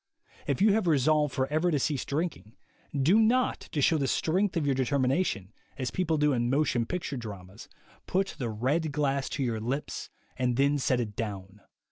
If you have resolved forever to cease drinking, do not, to show the strength of your de termination, as people do in motion picture dramas, put the red glass to your lips and then set it down.